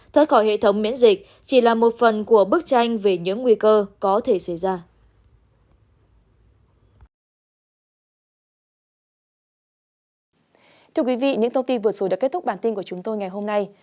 thưa quý vị những thông tin vừa rồi đã kết thúc bản tin của chúng tôi ngày hôm nay